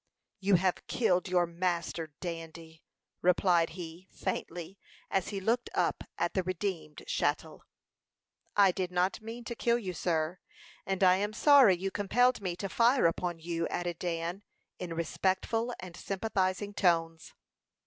"You have killed your master, Dandy," replied he, faintly, as he looked up at the redeemed chattel. "I did not mean to kill you, sir, and I am sorry you compelled me to fire upon you," added Dan, in respectful and sympathizing tones.